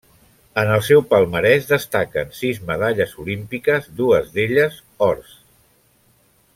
En el seu palmarès destaquen sis medalles olímpiques, dues d'elles ors.